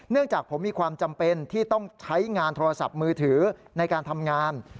จากผมมีความจำเป็นที่ต้องใช้งานโทรศัพท์มือถือในการทำงาน